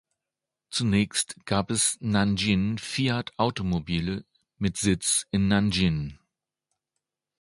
Zunächst gab es Nanjing Fiat Automobile mit Sitz in Nanjing.